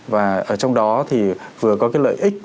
và trong đó thì vừa có cái lợi ích